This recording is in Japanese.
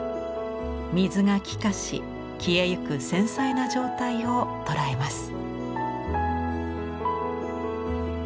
水が気化し消えゆく繊細な状態を捉えます。